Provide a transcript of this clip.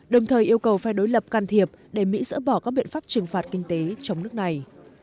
đồng thời yêu cầu phe đối lập can thiệp để mỹ dỡ bỏ các biện pháp trừng phạt kinh tế chống nước này